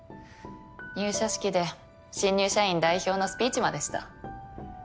入社式で新入社員代表のスピーチまでした。